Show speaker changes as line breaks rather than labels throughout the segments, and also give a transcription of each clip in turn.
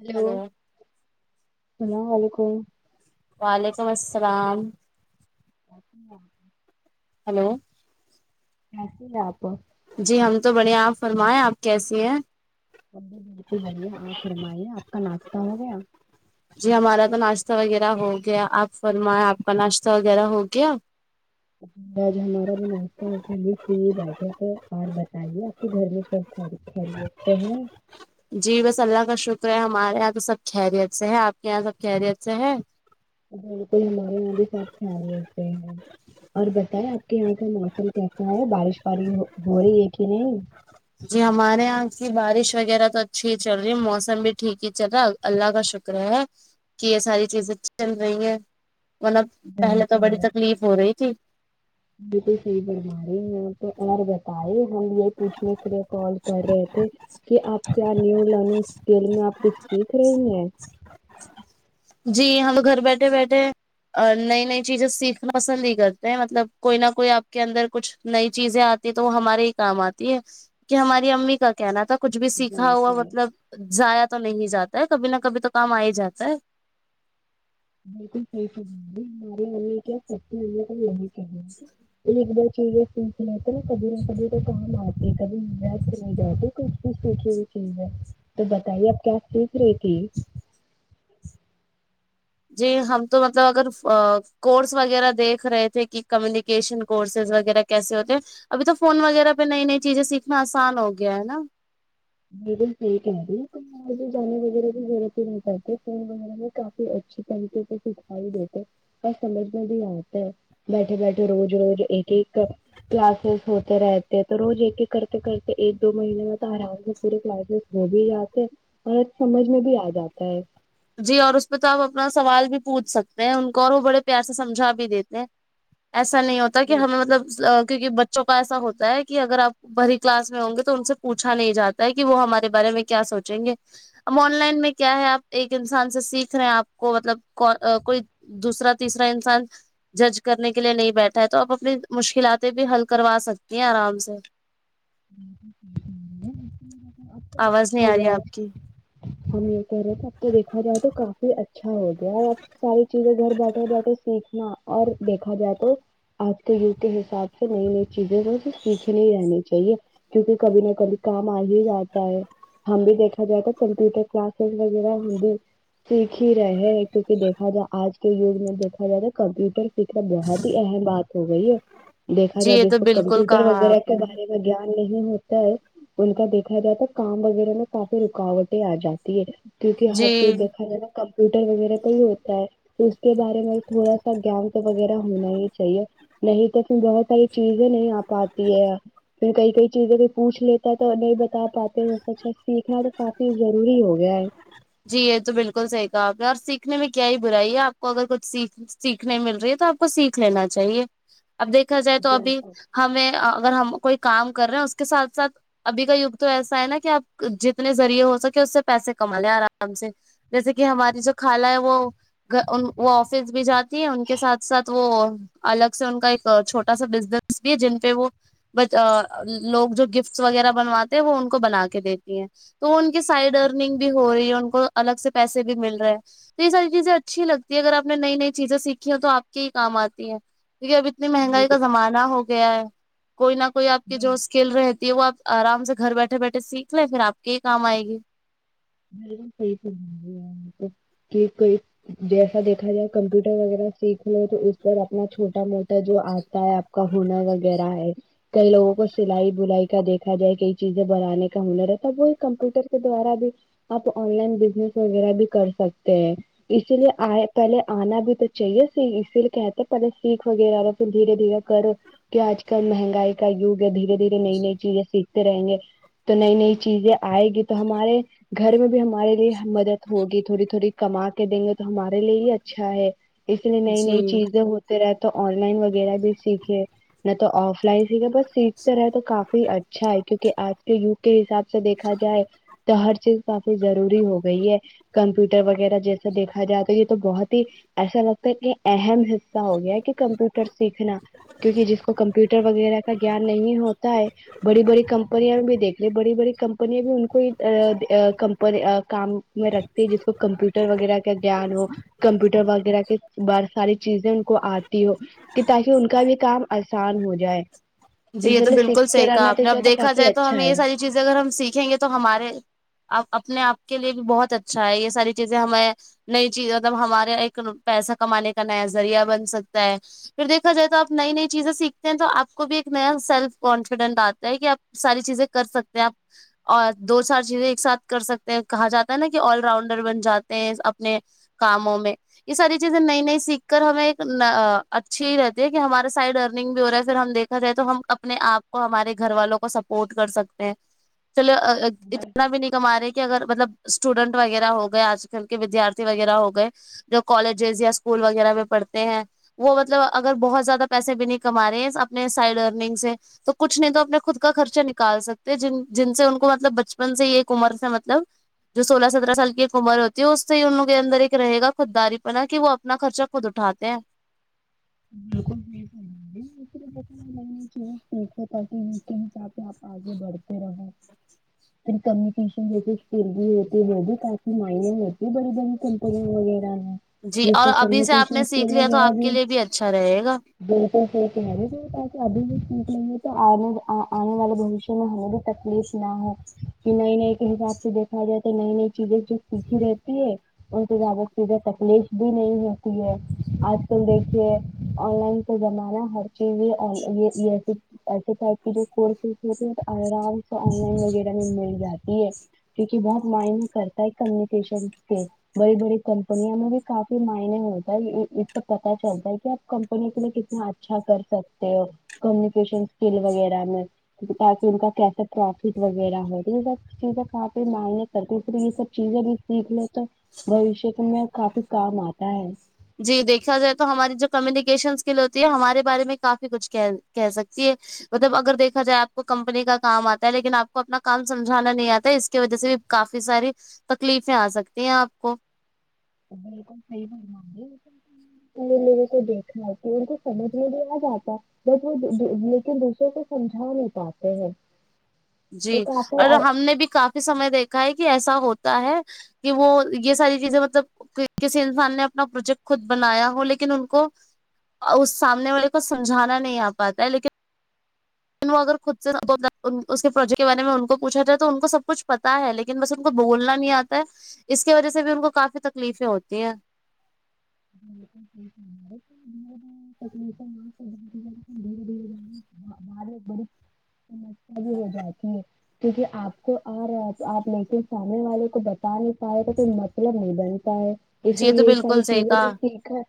hello
hello
سلا و علیکم
وعلیکم السلام ہیلو
کیسی ہے آپ
جی ہم تو بڑھیا ہیں آپ فرمائیں آپ کیسی ہیں
ا بالکل بڑھیا آپ فرمائیے آپ کا ناشتہ ہو گیا
جی ہمارا تو ناشتہ وغیرہ ہو گیا آپ فرمائے آپ کا ناشتہ وغیرہ ہو گیا
اج ہمارا بھی ناشتہ ہو کے ابھی فری بیٹھے تھے اور بتائیے آپ کے گھر میں سب خیریت خیریت سے ہے
جی بس اللہ کا شکر ہے ہمارے یہاں تو سب کھیریت سے ہے آپ کے یہاں سب کھیریت سے ہے
بالکل ہمارے یہاں بھی سب کھیریت سے ہے اور بتائیں آپ کے یہاں کا موسم کیسا ہے بارش پاری ہو رہی ہے کہ نہیں
جی ہمارے یہاں کی بارش وغیرہ تو اچھی ہی چل رہی موسم بھی ٹھیک ہی چل رہا اللہ کا شکر ہے کہ یہ ساری چیزیں چل رہی ہیں مطلب پہلے تو بڑی
بالکل
تکلیف ہو رہی تھی
بالکل صحیح فرمارہی ہیں آپ تو اور بتائیے ہم یہ پوچھنے کے لیے کال کر رہے تھے کہ آپ کیا نیو لرننگ اسکیل میں آپ کچھ سیکھ رہی ہیں
جی ہم گھر بیٹھے بیٹھے ا نئی نئی چیزیں سیکھنا پسند ہی کرتے ہیں مطلب کوئی نہ کوئی آپ کے اندر کچھ نئی چیزیں آتی تی تو وہ ہمارے ہی کام آتی ہے کہ ہماری امی کا کہنا تھا کچھ بھی سیکھا ہوا
بالکل
مطلب زیا تو نہیں جاتا ہے کبھی نہ کبھی تو کام آ ہی جاتا ہے
بالکل صح سبی ہماراری والمی کیا ستی وال ہے کا یہ ایک بار چاہے تو نا کبھی نہ کبھی تو کام آتے کبھی میں تو نہیں جاتی کچھ بھیھ پوچھی ہوئی چیز ہے تو بتائیے اب کیا سوچ رہی تھی
جی ہم تو مطلب اگر کورس وغیرہ دیکھ رہے تھے کہ کمیونیکیشن کورسز وغیرہ کیسے ہوتے ہیں ابھی تو فون وغیرہ پہ نئی نئی چیزیں سیکھنا آسان ہو گیا ہے نا
بالکل صحیح کہہ رہی ہیں اپ جانے وغیرہ کی ضرورت ہی نہیں پتے فون وغیرہ بھی کافی اچھی طریقے سے سکھائی دیتے بس سمجھ میں بھی آتا ہے بیٹھے بیٹھے روز روز ایک ایک کلاسز ہوتے رہتے تو روز ایک ایک کرتے کرتے ایک دو مہینے میں تو آرام ہو پورے کلاسز ہو بھی جاتے ہیں اور سمجھ میں بھی آ جاتا ہے
جی اور اس پہ تو آپ اپنا سوال بھی پوچھ سکتے ہیں ان کو اور وہ بڑے پیار سے سمجھا بھی دیتے ہیں ایسا نہیں ہوتا کہ
اب
ہمیں مطلب کیونکہ بچوں کا ایسا ہوتا ہے کہ اگر آپ بھری کلاس میں ہوں گے تو ان سے پوچھا نہیں جاتا ہے کہ وہ ہمارے بارے میں کیا سوچیں گے اب آن لائن میں کیا ہے آپ ایک انسان سے سیکھ رہے ہیں آپ کو مطلب کو کوئی دوسرا تیسرا انسان جج کرنے کے لیے نہیں بیٹھا ہے تو آپ اپنی مشکلاتیں بھی حل کروا سکتی ہیں آرام سے
اچھا
آواز نہیں
ہو
آ رہی
گیا
ہے
آج
آپ کی
ہم یہ کہہ رہے تھے اب تو دیکھا جائے تو کافی اچھا ہو گیا ہے اب ساری چیزیں گھر بیٹھے بیٹھے سیکھنا اور دیکھا جائے تو آج کے یوگ کے حساب سے نئی نئی چیزیں سیکھٹی رہنی چاہیے کیونکہ کبھی نہ کبھی کام آ ہی جاتا ہے ہم بھی دیکھا جائے تو کمپیوٹر کلاسز وغیرہ ہم بھی سیکھ ہی رہے ہیں کیونکہ دیکھا جائے آج کے یوگ میں دیکھا جائے تو کمپیوٹر سیکھنا بہت ہی اہم بات ہو گئی ہے دیکھا
جی
جائے
یہ
جس
تو
کو
بالکل
کمپیوٹر
کہا
وغیرہ
آپ
کے
نے
بارے میں گیان نہیں ہوتا ہے ان کا دیکھا جائے تو کام وغیرہ میں کافی رکاوٹیں آ جاتی ہے کیوںکہ ہر
جی
چیز دیکھا جائے نا کمپیوٹر وغیرہ کا ہی ہوتا ہے تو اس کے بارے میں تھوڑا سا گیان تو وغیرہ ہونا ہی چاہیے نہیں تو اس میں بہت ساری چیزیں نہیں آ پاتی ہے پھر کئی کئی چیزیں سے پوچھ لیتا ہے تو نہیں بتا پاتے اچھا سیکھنا تو کافی ضروری ہو گیا ہے
جی یہ تو بالکل صحیح کہا آپ نے اور سیکھنے میں کیا ہی برائی ہے آپ کو اگر کچھ سیکھ سیکھنے مل رہی ہے تو آپ کو سیکھ لینا چاہیے اب دیکھا جائے تو ابھی
بالکل
ہمیں اگر ہم کوئی کام کر رہے ہیں اس کے ساتھ ساتھ ابھی کا یوتھ تو ایسا ہے نا کہ آپ جتنے ذریعے ہو سکے اس سے پیسے کما لے آرا م سےجیسے کہ ہماری جو خالا ہے وہ گ وہ آفس بھی جاتی ہے ان کے ساتھ ساتھ وہ الگ سے ان کا ایک چھوٹا سا بزنس بھی ہے جن پہ وہ بچ لوگ جو گفٹس وغیرہ بنواتے ہیں وہ ان کو بنا کے دیتی ہیں تو ان کی سائڈ ارننگ بھی ہو رہی ہے ان کو الگ سے پیسے بھی مل رہے ہیں تو یہ ساری چیزیں اچھی لگتی ہے اگر آپ نے نئی نئی چیزیں سیکھی ہیں تو آپ کے ہی کام آتی ہے کیونکہ ابھی اتنی مہنگائی کا
بالکل
زمانہ ہو گیا ہے کوئی نہ کوئی آپ کی جو
بالکل
اس کل رہتی ہے وہ آپ آرام سے گھر بیٹھے بیٹھے سیکھ لیں پھر آپ کے یہ کام آئے گی
بالکل صحیح فرما رہی ہیں آپ تو کہ کوئی جیسا دیکھا جائے کمپیوٹر وغیرہ سیکھ لو تو اس پر اپنا چھوٹا موٹ ا جو آتا ہے آپ کا ہنر وغیرہ ہے کئی لوگوں کو سلائی بلائی کا دیکھا جائے کئی چیزیں بنانے کا ہنر رہتا وہ کمپیوٹر کے دوارا بھی آپ آن لائن بزنس وغیرہ بھی کر سکتے ہیں اسی لیے آئے پہلے آنا بھی تو چاہیے اسی لیے کہتے پہلے سیکھ وغیرہ تو دھیرے دھیرے کر کہ آج کل مہنگائی کا یوگ ہے دھیرے دھیرے نئی نئی چیزیں سیکھتے رہیں گے تو نئی نئی چیزیں آئے گی تو ہمارے گھر میں بھی ہمارے لیے مدد ہوگی تھوڑی تھوڑی کما کے دیں گے تو ہمارے لیے ہی اچھا ہے اس لیے نئی نئی
جی
چیزیں ہو تے رہے تو آن لائن وغیرہ بھی سیکھے نہ تو آف لائن سیکھے بس سیکھتے رہے تو کا اچھا ہے کیونکہ آج کے یوگ کے حساب سے دیکھا جائے تو ہر چیز کافی ضروری ہو گئی ہے کمپیوٹر وغیرہ جیسا دیکھا جائے تو یہ تو بہت ہی ایسا لگتا ہے کہ اہم حصہ ہو گیا ہے کہ کمپیوٹر سیکھنا کیونکہ جس کو کمپیوٹر وغیرہ کا گیان نہیں ہوتا ہے بڑی بڑی کمپنیاں بھی دیکھیں بڑی بڑی کمپنییاں بھی ان کو ا ا کمپنی کام میں رکھتی جس کو کمپیوٹر وغیرہ کا گیان ہو کمپیوٹر وغیرہ کے بار ساری چیزیں ان کو آتی ہو کہ تاکہ ان کا بھی کام آسان ہو جائے
جی
اس
یہ تو
لیے
بالکل
سیکھتے
صحیح کہا
رہنا
آپ
تو
نے اب
چاہتا
دیکھا
کافی
جائے تو
اچھا
ہمیں یہ
ہے
ساری چیزیں اگر ہم سیکھیں گے تو ہمارے اب اپنے آپ کے لیے بھی بہت اچھا ہے یہ ساری چیزیں ہمیں نئی چیز مطلب ہمارے ایک پیسہ کمانے کا نیا ذریعہ بن سکتا ہے پھر دیکاائے تو آپ نئی نئی چیزیں سیکھتے ہیں تو آپ کو بھی ایک نیا سیلف کانفیڈنٹ آتا ہے کہ آپ ساری چیزیں کر سکتے ہیں آپ اور دو سار چیزیں ایک ساتھ کر سکتے ہیں کہا جاتا ہے نا کہ آل راؤنڈر بن جاتے ہیں اپنے کاموں میں یہ ساری چیزیں نئی نئی سیکھ کر ہمیں ایک اچھی ہی رہتی ہے کہ ہمارا سائڈ ارنگ بھی ہو رہا ہے پھر ہم دیکھ تو ہم اپنے آپ کو ہمارے گھر والوں کو سپورٹ کر سکتے ہیں چلے اتنا بھی نہیں کما رہے کہ اگر مطلب اسٹوڈنٹ وغیرہ ہو گئے آج کل کے ودیارتھی وغیرہ ہو گئے جو کالجز یا اسکول وغیرہ میں پڑھتے ہیں وہ مطلب اگر بہت زیادہ پیسے بھی نہیں کما رہے ہیں اپنے سائڈ ارننگ سے تو کچھ نہیں تو اپنے خود کا خرچہ نکال سکتے جن سے ان کو مطلب بچپن سے ہی ایک عمر سے مطلب جو سولہ سترہ سال کی ایک عمر ہوتی ہے اس سے ہی انوں کے اندر ایک رہےا خودداری پنا کہ وہ اپنا خرچہ خود اٹھاتے ہیں
بالکل تھیک چاہیکھو تاکہ ان کے حساب سے آپ آگے بڑھتے رہو پھر کمیونکیشن جیسے فکر بھی ہوتی ہے وہ بھی کافی مائل ہوتی ہے بڑی بڑی کمپنی وغیرہ میں
جی اور
جیسے
ابھی سے آپ
کمیونیکیشن
نے سیکھ
اسکل
لیا تو
وغیرہ
آپ کے لیے بھی اچھا رہے گا
بالکل صحیح کہہ رہی ہیں اپ ابھی بھی سٹھ نہیں ہے تو آنے آنے والے بوشیہ میں ہمیں بھی تکلیف نہ ہو کہ نئی نئی کے حساب سے دیکھتے کہ جاتا ہے نئی نئی چیزیں جو سیکھی رہتی ہے ان سے زیادہ سیدزیں تکلیف بھی نہیں ہوتی ہے آج کل دیکھیے آن لائن کا زمانہ ہر چیز یہ آن لائن [unintelligible] ایسے پسے جو کورسز ہوتے ہیں آرام سے آن لائن وغیرہ میں مل جاتی ہے کیونکہ بہت معائن کرتا ہے کمیونکیشن کے بڑی بڑی کمپنییاوں میں بھی کافی معائنی ہوتا ہے اس سے پت چلتا ہے کہ کمپنی کے لیے کتنا اچھا کر سکتے ہو کمیونکیشن اسکل وغیرہ میں تاکہ ان کا کیسے پروفٹ وغیرہ ہو ٹیک ہے سر چیزیں کافی م کرتی پھر یہ سب چیزیں بھی سیکھ لے تو بوشیہ میں کافی کام آتا ہے
جی دیکھا جائے تو ہماری جو کمیونیکیشن اسکل ہوتی ہے ہمارے بارے میں کافی کچھ کہ کہہ سکتی ہے مطلب اگر دیکھا جائے آپ کو کمپنی کا کام آتا ہے لیکن آپ کو اپنا کام سمجھانا نہیں آتا ہے اس کی وجہ سے بھی کافی ساری تکلیفیں آ سکتی ہیں آپ کو
بالکل صحیح فرما رہے ہیں میرے کو دیکھنا ہے ان کو سمجھ میں بھی آ جاتا جب وہ لیکن دوسرے کو سمجھا نہیں پاتے ہیں تو
جی اور
کافی
ہم نے بھی کافی سمے دیکھا ہے کہ ایسا ہوتا ہے کہ وہ یہ ساری چیزیں مطلب کسی انسان نے اپنا پروجیکٹ خود بنایا ہو لیکن ان کو اس سامنے والے کو سمجھانا نہیں آ پاتا ہے لیکن لیکن وہ اگر خود سے کے پروجیکٹ کے بارے میں ان کو پوچھا جائے تو ان کو سب کچھ پتا ہے ل لیکن بس ان کو بولنا نہیں آتا ہے اس کی وجہ سے بھی ان کو کافی تکلیفیں ہوتی ہیں
ولیکم [inaudible] [unintelligible] میں ایک بڑی سمسیا بھی ہو جاتی ہے کیونکہ آپ کو اور آپ سامنے والے کو بتا نہیں پا رہے تو کوئی مطلب نہیں بنتا ہے اس
جی تو
لیے یہ ساری
بالکل صحیح
چیزیں تو
کہا
ٹھیک ہے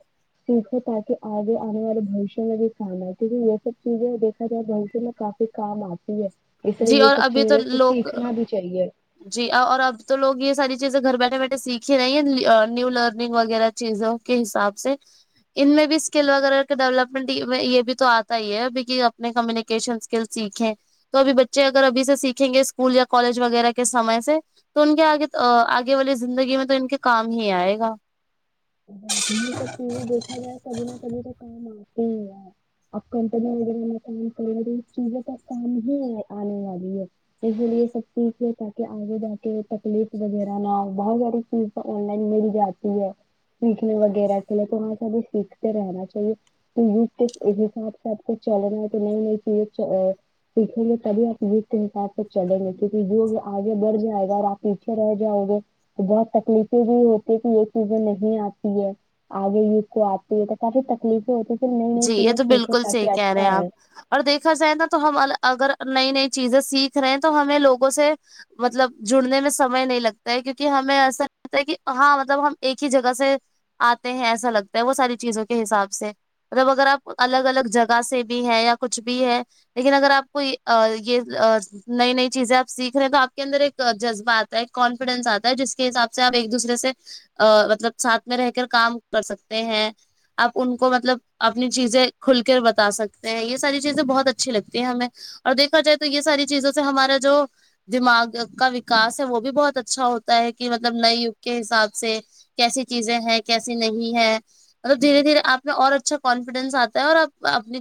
چیزوں تاکہ آگے آنے والے بھوشیہ میں بھی کام آئے کیونکہ یہ سب چیزیں دیکھا جائے بھوشیہ میں کافی سے کام آتی ہے اس لیے
جی
یہ
اور
سب
ابھی تو
چیزیں
لوگ
سیکھنا بھی چاہیے
جی اور اب تو لوگ یہ ساری چیزیں گھر بیٹھے بیٹھے سیکھ ہی رہی ہیں نیو لرننگ وغیرہ چیزیں کے حساب سے ان میں بھی اسکل وغیرہ کے ڈیولپمنٹ یہ بھی تو آتا ہی ہے بیگننگ کمیونیکیشن اسکل سیکھیں تو ابھی بچے اگر ابھی سے سیکھیں گے اسکول یا کالج وغیرہ کے سمے سے تو ان کے آگے آگے والے زندگی میں تو ان کے کام ہی آئے گا
یہ سب چیزیں دیکھا جائے کبھی نہ کبھی تو کام آتے ہی ہے اب کمپنی وغیرہ میں کام کرے تو اس چیزوں تک کام ہی آنے والی ہے اسی لیے یہ سب چیز ہے تاکہ آگے جا کے تکلیف وغیرہ نہ ہو بہت ساری چیز آن لائن مل جاتی ہے سیکھنے وغیرہ کے لے تو سبھی سیکھتے رہنا چاہیے تو اس کے حساب سے آپکو چلنا تو نئی نئی چیزیں چ سیکھیں گے تبھی آپ اسکے حساب سے چلیں گے کیونکہ آگے بڑھ جائے گا اور آپ پیچھے رہ جاؤ گے تو بہت تکلیفیں بھی ہوتی کہ یہ چیزیں نہیں آتی ہے آگے بھی اس کو آتی ہے تاکہ تکلیفیں ہوتی پھر نئی نئی
جی یہ
چیزیں
تو
سیکھو
بالکل صحیح
تاکہ
کہہ رہے
اچھا
ہیں آپ
آئے
اور دیکھا جائے نا تو ہم اگر نائے نائے چیزیں سیکھ رہے ہیں تو ہمیں لوگوں سے مطلب جڑنے میں سمئے نہیں لگتا ہے کیونکہ ہمیں ایسا تا ہے کہ ہاں مطلب ہم ایک ہی جگہ سے آتے ہیں ایسا لگتا ہے وہ ساری چیزوں کے حساب سے مطلب اگر آپ الگ الگ جگہ سے بھی ہے یا کچھ بھی ہے لیکن اگر آپ کو یہ ا یہ ا نئی نئی چیزیں آپ سیکھ رہے ہیں تو آپ کے اندر ایک جذبہ آتا ہے کانفیڈینس آتا ہے جس کے حساب سے آپ ایک دوسر سے ا مطلب ساتھ میں رہ کر کام کر سکتے ہیں آپ ان کو مطلب اپنی چیزیں کھل کر بتا سکتے ہیں یہ ساری چیزیں بہت اچھی لگتی ہیں ہمیں اور دیکھا جائے تو یہ ساری چیزوں سے ہمارا جو دماغ کا وکاس ہے وہ بھی بہت اچھا ہوتا ہے کہ مطلب نئے یوگ کے حساب سے کیسی چیزیں ہے کیسی نہیں ہے مطلب دھیرے دھیرے آپ نے اور اچھا کانفیڈینس آتا ہے اور اپ اپنی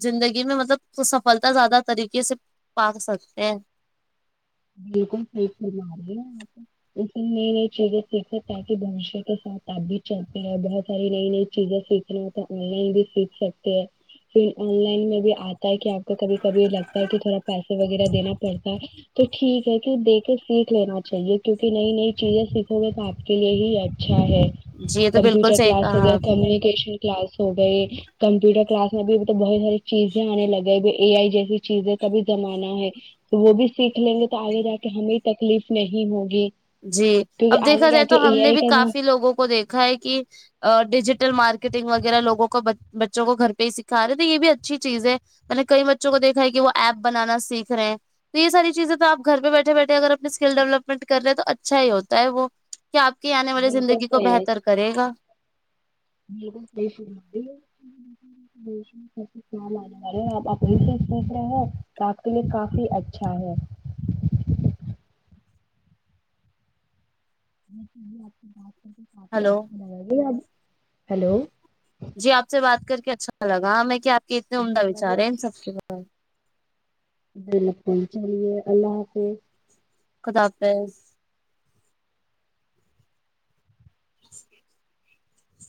زندگی میں مطلب سفلتا زیادہ طریقے سے پا سکتے ہیں
بالکل صحیح فرما رہی ہیں آپ اس نئی نئی چیزیں سیکھیں تاکہ بوشیہ کے ساتھ آپ بھی چلتے ہیں بہت ساری نئی نئی چیزیں سیکھ تو آن لائن بھی سیکھ سکتے ہیں پھر آن لائن میں بھی آ تا کہ آپ کو کبھی کبھی لگتا ہے کہ تھوڑا پیسے وغیرہ دینا پڑتا ہے تو ٹھیک ہے کہ دیکے سیکھ لینا چاہیے کیونکہ نئی نئی چیزیں سیکھو گے تو آپ کے لیے ہی اچھا ہے
جی یہ تو بالکل
کمپیوٹر
صحیح
کلاس ہو
کہا
گیا
آپ نے
کمیونیکیشن کلاس ہو گئے کمپیوٹر کلاس میں بھی توب بہت ساری چیزیں آنے لگے ا اے آئی جیسی چیزیں کا بھی زمانہ ہے تو وہ بھی سیکھ لیں گے تو آگے جا کے ہمیں تکلیف نہیں ہوگی
جی اب
کیونکہ آگے
دیکھا
جا
جائے
کے
تو
اے
ہم نے
آئی
بھی
کا جو
کافی لوگوں کو دیکھا ہے کہ ا ڈیجیٹل مارکیٹنگ وغیرہ لوگوں کو بچوں کو گھر پہ ہی سکھا رہے تو یہ بھی اچھی چیز ہے میں نے کئی بچوں کو دیکھا ہے کہ وہ ایپ بنانا سیکھ رہے ہیں تو یہ ساری چیزیں تو آپ گھر پے بیٹھے بیٹھے اگر اپنے سکیل ڈیولپمنٹ کر رہے تو اچھا ہی ہوتا ہے وہ کیا آپ کے آنے والی
بالکل
زندگی کو
صحیح
بہتر کرے گا
[unintelligible] آپ اپنی سے سوچ رہے ہیں تو آپ کے لیے کافی اچھا ہے آپ بات کافی
ہلو
اچھا لگے گا اب ہلو
جی آپ سے بات کر کے اچھا لگا ہمیں کیا آپ کے اتنے
جی
عمدہ
ہمیں بھی
وچارے ان
اچھا،
سب کے بار میں
بالکل چلیے اللہ حافظ
خدا حافظ [unintelligible]